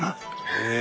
へえ！